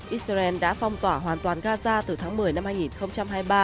israel đã phong tỏa hoàn toàn gaza từ tháng một mươi năm hai nghìn hai mươi ba